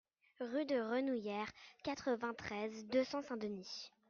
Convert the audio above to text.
Rue des Renouillères, quatre-vingt-treize, deux cents Saint-Denis